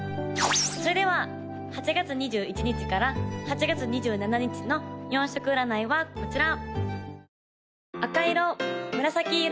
・それでは８月２１日から８月２７日の４色占いはこちら！